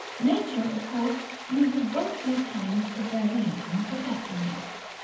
Nature, of course, uses both these kinds of variation perpetually.